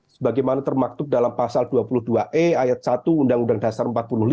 sebagaimana termaktub dalam pasal dua puluh dua e ayat satu undang undang dasar empat puluh lima